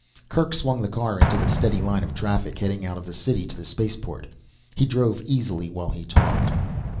Kerk swung the car into the steady line of traffic heading out of the city to the spaceport. He drove easily while he talked.